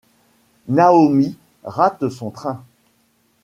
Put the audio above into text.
Naomi rate son train.